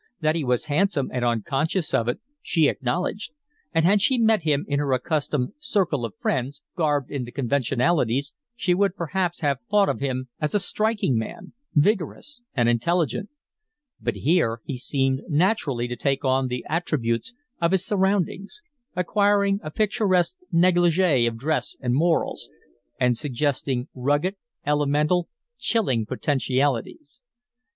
That he was handsome and unconscious of it, she acknowledged, and had she met him in her accustomed circle of friends, garbed in the conventionalities, she would perhaps have thought of him as a striking man, vigorous and intelligent; but here he seemed naturally to take on the attributes of his surroundings, acquiring a picturesque negligee of dress and morals, and suggesting rugged, elemental, chilling potentialities.